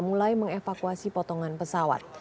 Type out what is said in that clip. mulai mengevakuasi potongan pesawat